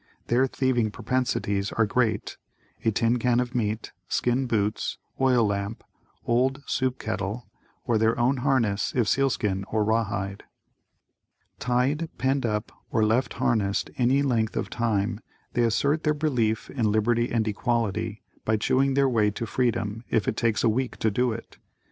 Their thieving propensities are great, a tin can of meat, skin boots, oil lamp, old soup kettle, or their own harness if sealskin or rawhide. [Illustration: Rough and Ready Sledge Dog.] Tied, penned up or left harnessed any length of time, they assert their belief in "Liberty and Equality" by chewing their way to freedom if it takes a week to do it.